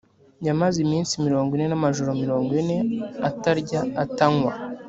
yamaze iminsi mirongo ine n’amajoro mirongo ine atarya atanywa